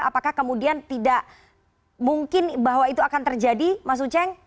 apakah kemudian tidak mungkin bahwa itu akan terjadi mas uceng